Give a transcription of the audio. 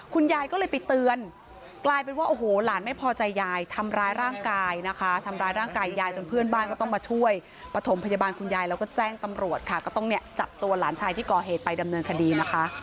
คุณยายก็เลยไปเตือนกลายเป็นว่าโอ้โหหลานไม่พอใจยายทำร้ายร่างกายนะคะทำร้ายร่างกายยายจนเพื่อนบ้านก็ต้องมาช่วยปฐมพยาบาลคุณยายแล้วก็แจ้งตำรวจค่ะก็ต้องเนี่ยจับตัวหลานชายที่ก่อเหตุไปดำเนินคดีนะคะ